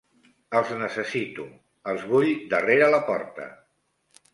Els necessito, els vull darrere la porta.